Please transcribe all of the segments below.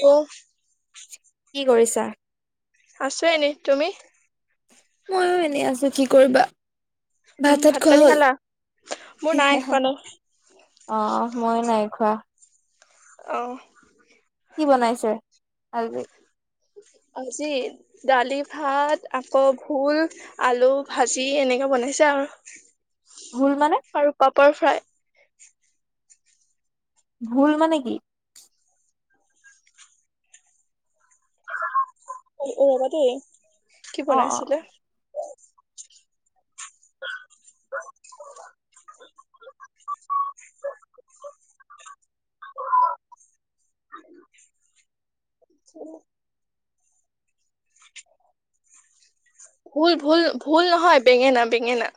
ইও' কি কৰিছা? আছোঁ এনেই, তুমি? মইও এনেই আছো কি কৰিবা। ভাত উম চাত খোৱা পানী হ'ল, খালা মোৰ নাই হ হ খোৱা হ। নাই অঁ ময় নাই খোৱা। অহ' কি বনাইছে আজি? আজি দালি ভাত আকৌ ভোল। আলু ভাজি এনেকে বনাইছে আৰু। ভুল মানে? আৰু পাপৰ ফ্ৰাই। ভুল মানে কি? অ অঁ' ৰবা দেই কি অ অ বনাইছিলে? ভুল ভুল ভুল নহয় বেঙেনা বেঙেনা।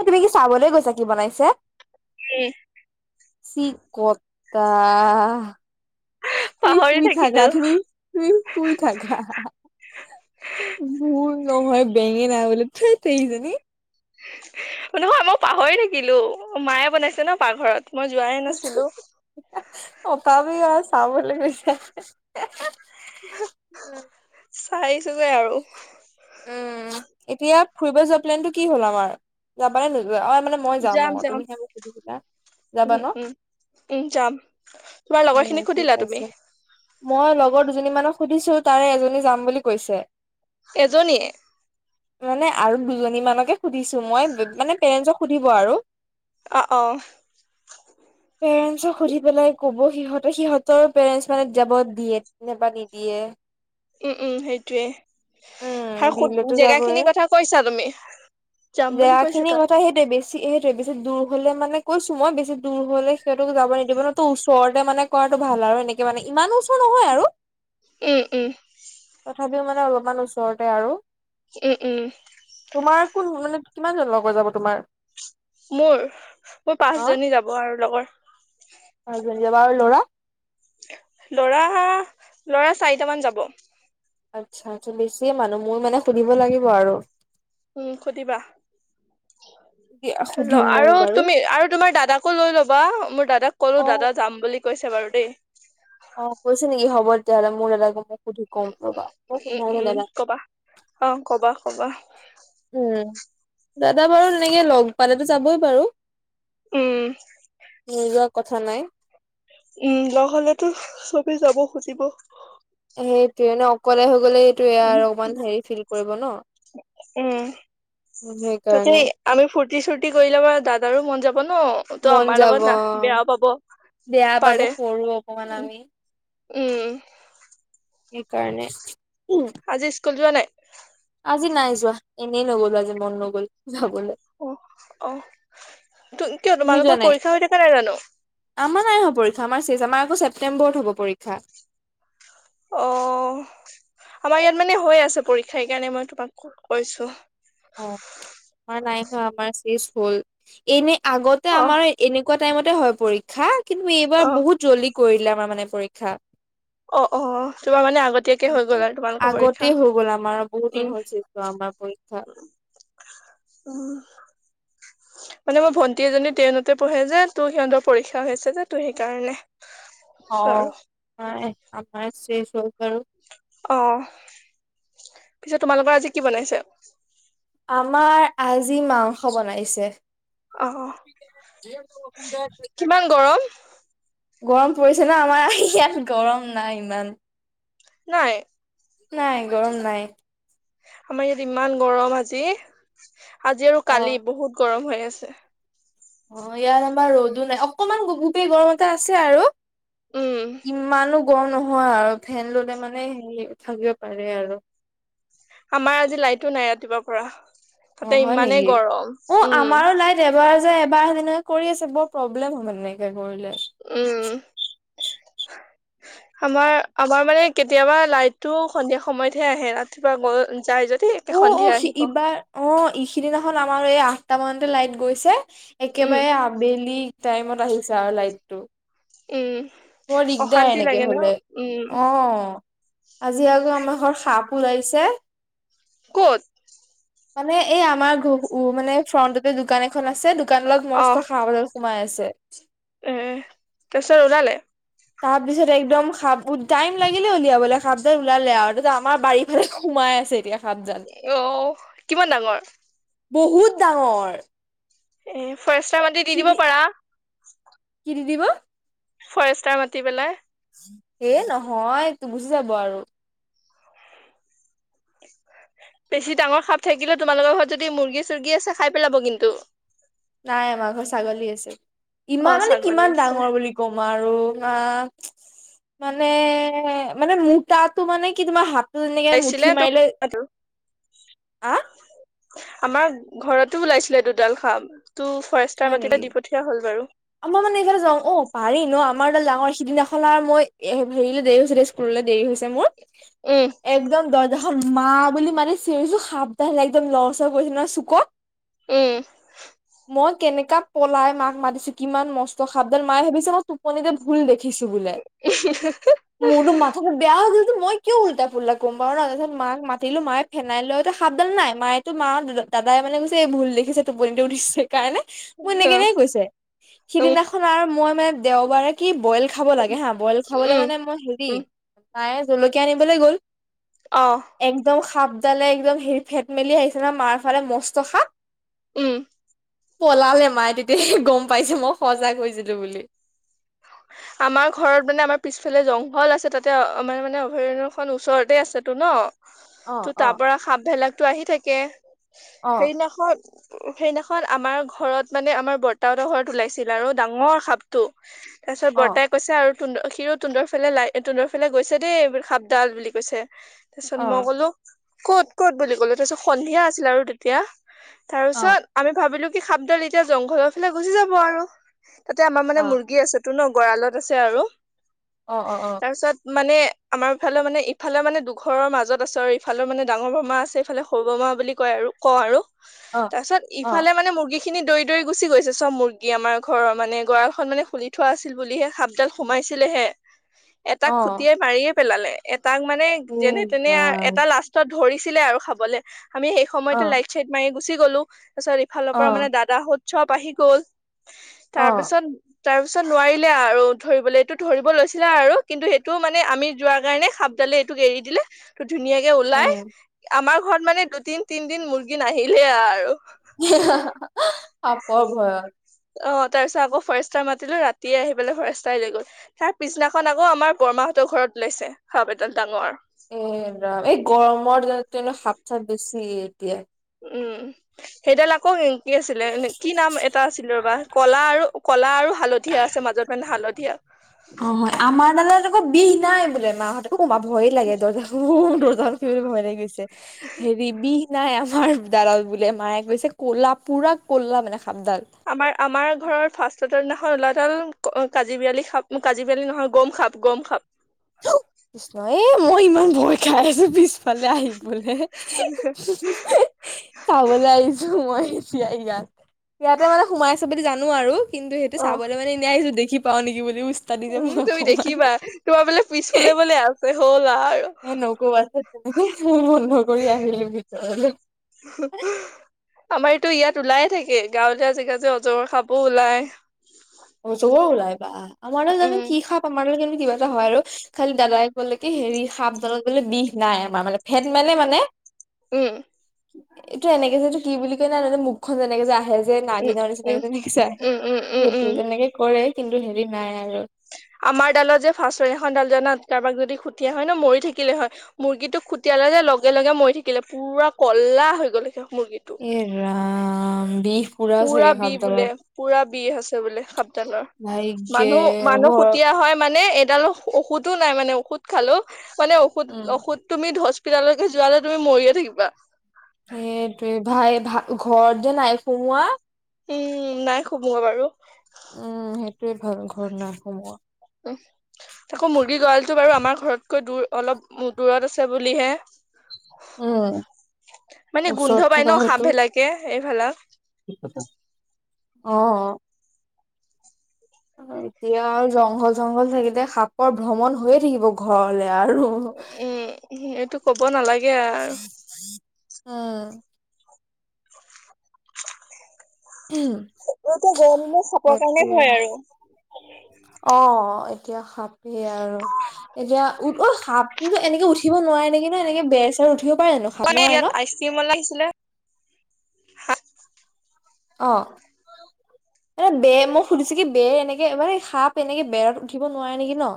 এ তুমি কি চাবলৈ গৈছা কি বনাইছে? উম' চি কটা। তুমি পাহৰি শুই থাকা থাকিলো তুমি তুমি শুই থাকা। মোৰ নহয় বেঙেনা বোলো থেইত এইজনী। নহয় মই পাহৰি থাকিলো মায়ে বনাইছে ন পাকঘৰত মই যোৱাই নাছিলো। কথা যে ইয়া চাওঁ বুলি কৈছে। চাইছোগে আৰু। উম' এতিয়া ফুৰিব যোৱা প্লেন টো কি হ'ল আমাৰ যাব নে নোযোৱা অ এ মানে- মই যাম অঁ' তুমি যে মোক সুধিছিলা যাবা ন। উমহ যাম। তোমাৰ লগৰ উম, খিনিক ঠিক সুধিলা আছে। তুমি? মই লগৰ দুজনী মানক সুধিছো তাৰে এজনী যাম বুলি কৈছে। এজনীয়ে। মানে আৰু দুজনী মানকে সুধিছো মই মানে পেৰেনছক সুধিব আৰু। অ অ'। পেৰেনছক সুধি পেলাই ক'ব সিহঁত- ত সিহঁতৰ পেৰেন্স মানে যাব দিয়ে নেবা নিদিয়ে। উম উম' সেইটোৱে, উম, হা সুদ দিলেতো যাবয়ে। জেগাখিনিৰ কথা কৈছা তুমি। যাম বুলি জেগা কৈছে খিনিৰ তাত কথা সেইটোৱে বেছ- ছি সেইটোৱে বেছি দূৰ হলে মানে কৈছো মই বেছি দূৰ হলে সিঁহতক যাব নিদিব নহয় তো ওচৰতে মানে- কৰাটো ভাল আৰু এনেকে মানে ইমানো ওচৰ নহয় আৰু। উম উম তথাপিও মানে অলপমান ওচৰতে আৰু। উম উম'। তোমাৰ কোন মানে কিমান জন লগৰ যাব তোমাৰ? মোৰ, মোৰ পাঁচ জনী যাব আৰু লগৰ। হয় যাব আৰু ল'ৰা? ল'ৰা ল'ৰা চাৰিটামান যাব। আচ্ছা আচ্ছা বেছিয়ে মানুহ মোৰ মানে সুধিব লাগিব আৰু উম সুধিবা। [unintelligible] হেল্ল' মই আৰু বাৰু তুমি আৰু তোমাৰ দাদাকো লৈ ল'বা মোৰ দাদাক ক'লো অ দাদা যাম বুলি কৈছে বাৰু দেই। অ', কৈছে নেকি হ'ব তেতিয়াহ'লে মোৰ দাদাকো মই সুধি কম ৰবা মই উম সোধাই নাই উম দাদাক। কবা অ', কবা কবা। উম, দাদা বাৰু তেনেকে লগ পালেতো যাবই বাৰু। উম নোযোৱা কথা নাই। উম, লগ হলেতো চবে যাব খুজিব। সেইটোৱে এনেও অকলে হৈ গ'লে সেইটোৱে আৰু অকমান হেৰি ফিল কৰিব ন উম তাতে সেইকাৰণে। আমি ফূৰ্তি চূৰ্তি কৰিলে মানে দাদাৰো মন যাব ন' তো মন আমাৰ যাব লগত না বেয়াও পাব বেয়া পাব পাৰে সৰু অকমান উম। আমি উম। সেইকাৰণে। আজি স্কুল যোৱা নাই? আজি নাই যোৱা এনেই নগলো আজি মন নগল যাবলৈ। অ অ কিয় তুমি যোৱা তোমালোকৰ নাই পৰীক্ষা হৈ থাকে নাই জানোঁ? আমাৰ নাই হোৱা পৰীক্ষা আমাৰ চেজ আমাৰ আকৌ ছেপটেম্বৰত হ'ব পৰীক্ষা। অ', আমাৰ ইয়াত মানে হৈ আছে পৰীক্ষা সেইকাৰণে মই তোমাক কৈছোঁ। অ', আমাৰ নাই হোৱা আমাৰ চেজ হ'ল এনেই আগতে অ আমাৰ এনেকুৱা টাইমতে হয়, পৰীক্ষা কিন্তু এইবাৰ অ বহুত জল্দি কৰিলে আমাৰ মানে পৰীক্ষা। অ অ তোমাৰ মানে আগতীয়াকে হৈ গ'ল আৰু তোমালোকৰ পৰীক্ষা আগতে হৈ গ'ল আমাৰ বহুত দিন উম হ'ল চেজ হোৱা আমাৰ পৰীক্ষা। [inaudible] অ। মানে মোৰ ভন্টি এজনী টেনতে পঢ়ে যে তোৰ সিহঁতৰ পৰীক্ষা হৈ আছে যে ত' সেইকাৰণে। [inaudible] আৰু অ', আমাৰ শেষ হ'ল বাৰু। অ', পিছে তোমালোকৰ আজি কি বনাইছে? আমাৰ আজি মাংস বনাইছে। অ', কিমান গৰম? গৰম পৰিছে ন আমাৰ ইয়াত গৰম নাই ইমান। নাই। নাই গৰম নাই। আমাৰ ইয়াত ইমান গৰম আজি আজি আৰু অ', কালি বহুত গৰম হৈ আছে। অ', ইয়াত আমাৰ ৰ'দো নাই অকনমান গোপ গুপীয়া গৰম এটা আছে আৰু। উম ইমানো গৰম নহয় আৰু ফেন ল'লে মানে হে থাকিব পাৰে আৰু। আমাৰ আজি লাইটো নাই ৰাতিপুৱাৰ পৰা। তাতে অ', হয়, ইমানেই নেকি গৰম অ', উম আমাৰো লাইন এবাৰ জাই এবাৰ আহে তেনেকেই কৰি আছে বৰ প্ৰব্লেম হয় মানে এনেকে কৰিলে। উম আমাৰ আমাৰ মানে কেতিয়াবা লাইটটো সন্ধিয়া সময়তহে আহে ৰাতিপুৱা গল যাই যদি অ একে অ সন্ধিয়া সি আহিব। ইবাৰ অ', ই সিদিনাখন আমাৰ এই আঠটা মানতে লাইট, গৈছে উম একেবাৰে আবেলি টাইমত আহিছে আৰু লাইট টো। উম বৰ দিগদাৰ অশান্তি এনেকে লাগে ন হলে উম অ'। আজি আকৌ আমাৰ ঘৰত সাপ ওলাইছে। ক'ত? মানে এই আমাৰ ঘৰৰ মানে ফ্ৰণ্টতে দোকান এখন আছে। দোকান, ডালত অ মস্ত সাঁপ এডাল সোমাই আছে। এ তাৰপিছত ওলালে। তাৰপিছত একদম সাপ, টাইম লাগিলে উলিয়াবলৈ সাপডাল ওলালে আৰু তাতে আমাৰ বাৰী ফালে সোমাই আছে এতিয়া। সাপডাল অ কিমান ডাঙৰ বহুত ডাঙৰ এ ফাৰেষ্টৰ মাতি দি দিব পাৰা। কি দি দিব। ফৰেষ্টাৰ, মাতি পেলাই এ নহয় গুচি যাব আৰু [unintelligible] বেছি ডাঙৰ সাপ থাকিলেও তোমালোকৰ ঘৰত যদি মুৰ্গী- চৰ্গী আছে খাই পেলাব কিন্তু। নাই আমাৰ ঘৰ ছাগলী, আছে। অ ইমান মানে ছাগলী কিমান আছে ডাঙৰ বুলি গমাৰো হা মানে মানে মোতাতটো মানে কি তোমাৰ হাত পাইছিলে আৰু আহ আমাৰ ঘৰতো ওলাইছিলে দুডাল সাপ, টো ফৰেষ্টাৰ হয় নেকি মাতিলে দি পঠিয়া হ'ল বাৰু। আমাৰ মানে এইফালে যাওঁ অ', পাৰি ন আমাৰ ডাঙৰ সিদিনাখন আৰু মই হেৰি দেৰি হৈ হৈছে দে স্কললৈ দেৰি হৈছে মোৰ। উম একদম দৰ্জা, মা বুলি মানে চিঞৰিছো সাপ, ডাল একদম লৰচৰ কৰিছে নহয় চুকত। উম মই কেনেকাপলাই মাক, মাতিছো কিমান মস্ত সাপডাল, মায়ে ভাবিছে ন। কণীতে ভুল দেখিছো বোলে। মোৰতো মাথাটো বেয়া হৈছিল মই কিয় উলতা পুলটা কম পাৰ ন তাৰ পাছত মাক মাতিলো মায়ে ফেনাইল, লৈ সাপডাল, নাই মায়ো মা, দ দাদাই, মানে কৈছে এই ভুল দেখিছে টোপনিতে উঠিছে সেইকাৰণে মোৰ এনে কেনে কৈছে উম সিদিনাখন আৰু মই মানে দেওবাৰে কি বইল খাব লাগে হা বইল খাবলৈ উম মানে মই হেৰি উম প্ৰায়ে জলকীয়া আনিবলৈ গ'ল। অঁ একদম সাপডালে, একদম হেৰি ফেট, মেলি আহিছে ন মাৰ ফালে মস্ত সাপ, উম পলালে মায়ে তেতিয়া গম পাইছে মই সচা কৈছিলো বুলি। হয়। আমাৰ ঘৰত মানে আমাৰ পিছফালে জংঘল, আছে তাতে মানে মানে অভয়াৰণ্যখন, ওচৰতে আছেতো ন। অ ত' অ তাৰ পৰা সাপ ভেলাকতটো আহি থাকে অ সেইদিখন সেইদিখন আমাৰ ঘৰত মানে আমাৰ বৰ্তা হতৰ ঘৰত ওলাইছিল আৰু ডাঙৰ সাপটো, তাৰ পিছত অ বৰ্তাই কৈছে আৰু তুনদ হিৰো তুন্দৰ ফালে লাই তুন্দডৰ ফালে গৈছে দেই সাপডাল বুলি কৈছে। তাৰপিছত অ মই কলো কত কত বুলি কলো, তাৰপিছত সন্ধিয়া আছিল আৰু তেতিয়া। তাৰ অ পিছত আমি ভাবিলো কি সাপডাল এতিয়া জংঘলৰ ফালে গুচি যাব আৰু। তাতে আমাৰ অ মানে অ মুৰ্গী আছেতো ন গৰালত আছে আৰু। অঁ অঁ অঁ তাৰপিছত মানে আমাৰ ফালে মানে ইফালে মানে ইফালে মানে দুঘৰৰ মাজত আছে আৰু ইফালৰ মানে ডাঙৰ বৰমা আছে সিফালে সৰু বমা বুলি কয় আৰু কওঁ আৰু, তাৰপিছত অ ইফালে মানে মুৰ্গী খিনি দৌৰি দৌৰি গুচি গৈছে চব মুৰ্গী আমাৰ ঘৰৰ মানে গৰালখন মানে খুলি থোৱা আছিল বুলিহে সাপডাল সোমাইছিলেহে, অ এটাক অ খুটিয়াই মাৰিয়ে পেলালে। এটাক মানে এই যেনে তেনে ৰাম এটা লাষ্টত ধৰিছিলে আৰু খাবলে আমি সেই অ সময়তে লাইট চাইট মাৰি গুচি গ'লো, তাৰ পিছত ইফালৰ অ পৰা মানে দাদা হত চব আহি গ'ল। অ তাৰ পিছত তাৰপিছত নোৱাৰিলে আৰু ধৰিবলৈ এইটো ধৰিব লৈছিলে আৰু কিন্তু সেইটো মানে আমি যোৱাৰ কাৰণে খাব ডালে এইটোক এৰি দিলে। টো ধুনীয়াকে ওলাই উম আমাৰ ঘৰত মানে দুদিন তিনদিন মুৰ্গী নাহিলে আৰু। সাঁপৰ ভয়ত। অঁ তাৰ পিছত আকৌ ফৰেষ্টাৰ মাতিলে ৰাতিয়ে আহি পেলাই ফৰেষ্টাই লৈ গ'ল। তাৰ পিছদিনাখন আকৌ আমাৰ বৰৰ্মাহঁতৰ ঘৰত ওলাইছে, সাপ এডাল ডাঙৰ। এ ৰাম, এই গৰমৰ দিনত কিন্তু সাপ চাপ বেছি এতিয়া। উম, সেইডাল আকৌ উ কি আছিলে, নে কি নাম এটা আছিলে ৰবা, কলা আৰু কলা আৰু হালধীয়া আছে মাজত মানে হালধীয়া। অঁ হয়, আমাৰ ডালত আকৌ বিষ নাই বোলে, মাহঁতে উ মা ভয়ে লাগে। দৰ্জা খন উ দৰ্জা খন খুলিবলৈ ভয় লাগিছে। হেৰি বিষ নাই আমাৰ ডালত বোলে মায়ে কৈছে, ক'লা পুৰা ক'লা মানে সাপডাল। আমাৰ, আমাৰ ঘৰৰ ফাৰ্ষ্টটোৰ দিনাখন ওলোৱাডাল ক কাজিবিৰালি সাপ কাজিবিৰালি নহয়, গমসাপ গমসাপ। কৃষ্ণ এ মই ইমান ভয় খাই আছোঁ পিছ ফালে আহি পেলাই। চাবলৈ আহিছোঁ মই এতিয়া ইয়াত। ইয়াতে মানে সোমাই আছে বুলি জানো আৰু। কিন্তু সেইটো অ চাবলৈ মানে এনেই আহিছোঁ। দেখি পাওঁ নেকি বুলি বু উম তুমি দেখিবা, তোমাৰ বোলে পিছফালে বোলে আছে হ'ল আৰু। [inaudible] দৌৰি আহিলো ভিতৰলে। [inaudible] আমাৰ এইটো ইয়াত ওলায়েই থাকে, গাঁৱলীয়া জেগা যে, অজগৰ সাপো ওলায়। অজগৰ ওলায় বা, আমাৰো জানো উম কি সাপ। কামুৰিলে কিন্তু কিবা এটা হয় আৰু, খালি দাদাই ক'লে কি হেৰি, সাপডালত বোলে বিষ নাই। আমাৰ মানে ফেন মানে মানে উম এইটো এনেকে যে এইটো কি বুলি কয় নাজানো মুখখন এনেকে যে আহে যে উম নাগিনৰ উম নিচিনাকে যে দেখিছা? উম উম উম উম এনেকে কৰে, কিন্তু হেৰি নাই আৰু। আমাৰ ডালত যে ফাৰ্ষ্টৰ দিনাখন ডাল জানা, কাৰোবাক যদি খুটিলে হয় ন মৰিয়ে থাকিলে হয়। মুৰ্গীটোক খুটিওৱা লগে লগে মৰি থাকিলে, পুৰা ক'লা হৈ গ'ল সেই মুৰ্গীটো। এ ৰাম। বিষ পুৰা চাগে বিহ বোলে, সাপডালত পুৰা বিহ আছে বোলে সাপডালৰ। ভাগ্যে মানুহ, মানুহ ঘৰত খুতিয়া হয় মানে, এডালো ঔষধটো নাই মানে, ঔষধ খালোঁ, মানে ঔষধ উম ঔষধ। তুমি হস্পিতাললৈকে যোৱালে তুমি মৰিয়ে থাকিবা। সেইটোৱে ভাই, ভা ঘৰত যে নাই সোমোৱা উম' নাই সোমোৱা বাৰু। উম' সেইটোয়ে ভাল। ঘৰত নাই সোমোৱা। উম' তাকো মুৰ্গী গঁড়ালটো বাৰু আমাৰ ঘৰত কৈ দূৰ, অলপ দূৰত আছে বুলিহে। উম মানে গোন্ধ ওচৰত পাই ন! সাপবিলাকে এইবিলাক। কি কথা? অ, অ। এতিয়া আৰু জংঘল-চংঘল থাকিলে সাপৰ ভ্ৰমণ হৈয়ে থাকিব ঘৰলে আৰু। এ সেইটো ক'ব নালাগে আৰু। অ' উহম্ এতিয়াটো গৰম দিনত সাপৰ কাৰণে ভয় আৰু। অ' এতিয়া সাপ সেইয়া আৰু। এতিয়া উঠ, অ' সাপ কিন্তু এনেকে উঠিব নোৱাৰে নেকি, নে এনেকে বেৰ চেৰ উঠিব পাৰে জানো সাপ মানে নোৱাৰে ন ইয়াত আইচক্ৰীম আলা আহিছিলে। অ। এ বেৰ মই সুধিছো কি, বেৰ এনেকে মানে সাপ এনেকে বেৰত উঠিব নোৱাৰে নেকি ন!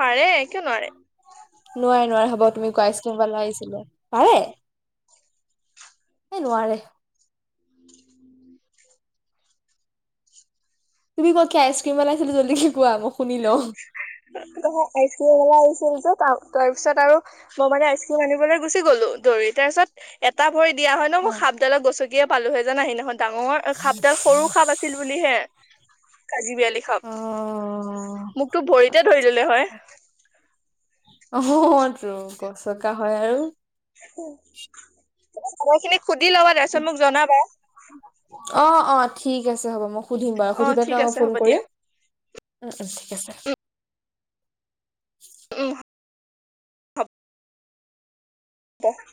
পাৰে, কিয় নোৱাৰে? নোৱাৰে, নোৱাৰে হ'ব! তুমি [unintelligible] কৰিব নোৱাৰিছিলা। পাৰে! সেই নোৱাৰে। তুমি ক কি আইচক্ৰীম আলা আহিছিলে জল্দিকে কোৱা মই শুনি লওঁ। ত মই আইচক্ৰীম আলা আহছিল যে তাৰপিছত আৰু মই মানে আইচক্ৰীম আনিবলৈ গুচি গ'লো দৌৰি তাৰপিছত এটা ভৰি দিয়া হয় ন মই সাপডালত গচকিয়ে পালো হয় জানা সেইদিনাখন ডাঙৰ সাপডাল সৰু সাপ আ আছিল বুলিহে অ [unintelligible] মোকতো ভৰিতে ধৰি ললে হয়। অ'হ গচকা হয় আৰু কথাখিনি সুধি লবা, তাৰপিছত মোক জনাবা। অ' অ' ঠিক আছে হ'ব মই সুধিম বাৰু অ সুধি ঠিক পেলায় তো মই আছে হ'ব ফোন দিয়া কৰিম। অ' অ' ঠিক আছে। উম' হ'ব। [inaudible]